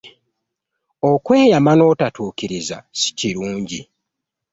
okweyama n'otatuukiriza si kirungi.